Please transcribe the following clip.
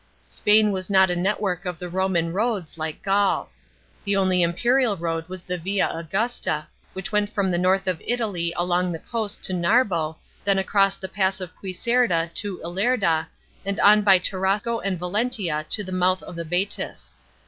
Spain was not a network of Roman roads, like Gaul. The only imperial road was the Via Augusta, which went from the north of Italy along the coast to Narbo, then across the pass of Puycerda to Ilerda, and on by Tarraco and Valentia to the mouth of the Bsetis.